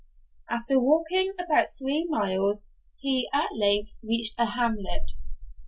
After walking about three miles, he at length reached a hamlet.